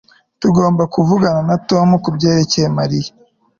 Tugomba kuvugana na Tom kubyerekeye Mariya